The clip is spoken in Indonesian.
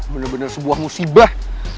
bener bener sebuah musibah